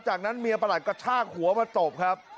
จากนั้นเมียประหลัดกระชากหัวมาตบครับ